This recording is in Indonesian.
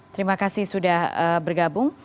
terima kasih sudah bergabung